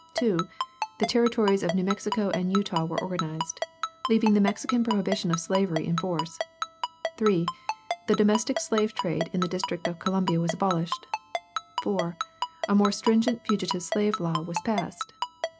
2. The Territories of New Mexico and Utah were organized, leaving the Mexican prohibition of slavery in force. 3. The domestic slave trade in the District of Columbia was abolished. 4. A more stringent fugitive slave law was passed.